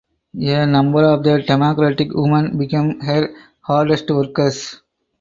A number of the Democratic women became her hardest workers.